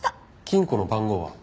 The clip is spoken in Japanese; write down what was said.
金庫の番号は？